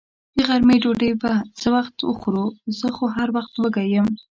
د غرمې ډوډۍ به څه وخت خورو؟ زه خو هر وخت وږې یم.